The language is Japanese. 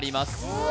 うわ